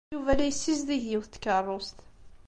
Yuba la yessizdig yiwet n tkeṛṛust.